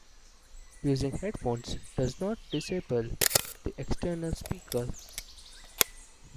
Using headphones does not disable the external speakers.